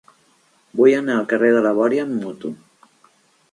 Vull anar al carrer de la Bòria amb moto.